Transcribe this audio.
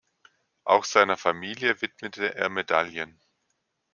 Auch seiner Familie widmete er Medaillen.